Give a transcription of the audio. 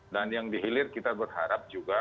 dan yang dihilir kita berharap juga